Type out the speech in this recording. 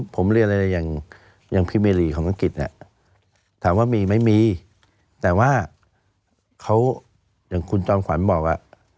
ผมเรียนอะไรอย่างพี่เมรีของอังกฤษเนี่ยถามว่ามีไหมมีแต่ว่าเขาอย่างคุณจอมขวัญบอกว่า